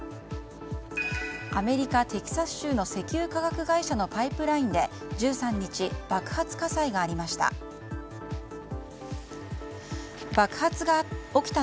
アメリカ・テキサス州の石油化学会社のパイプラインで１３日、爆発火災がありました。